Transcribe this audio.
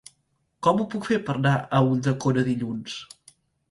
Com ho puc fer per anar a Ulldecona dilluns?